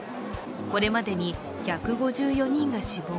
これまでに１５４人が死亡。